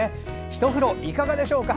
ひと風呂いかがでしょうか。